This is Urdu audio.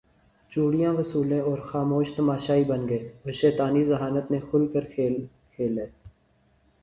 چوڑیاں وصولیں اور خاموش تماشائی بن گئے اور شیطانی ذہانت نے کھل کر کھیل کھیلا